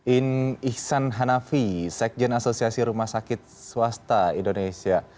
in ihsan hanafi sekjen asosiasi rumah sakit swasta indonesia